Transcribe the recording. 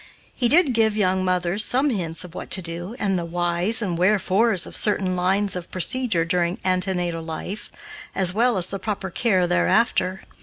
He did give young mothers some hints of what to do, the whys and wherefores of certain lines of procedure during antenatal life, as well as the proper care thereafter.